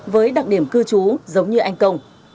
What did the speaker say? với đặc điểm cư trú giống như anh công